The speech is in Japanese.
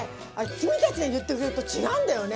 君たちが言ってくれると違うんだよね！